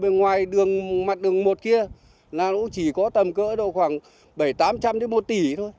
ngoài đường mặt đường một kia là nó chỉ có tầm cỡ độ khoảng bảy trăm linh tám trăm linh đến một tỷ thôi